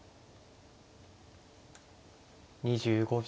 ２５秒。